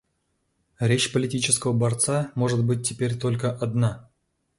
Речь политического борца может быть теперь только одна.